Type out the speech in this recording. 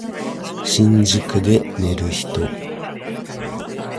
新宿で寝る人